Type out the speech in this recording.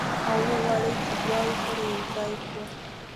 او وغواړو چې دواړه سره یو ځای کړو.